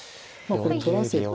これ取らせて。